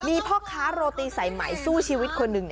นี่เพราะคะโรติใส่ใหม่สู่ชีวิตคนหนึ่ง